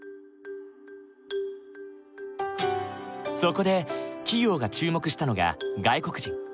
そこで企業が注目したのが外国人。